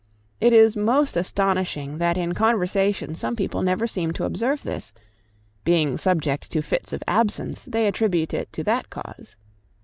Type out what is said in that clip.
It is most astonishing that in conversation some people never seem to observe this; being subject to fits of absence, they attribute it to that cause.